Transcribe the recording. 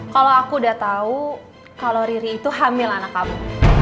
kalau aku udah tahu kalau riri itu hamil anak kamu